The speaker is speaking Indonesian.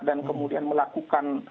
dan kemudian melakukan